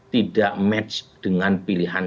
tidak match dengan pilihan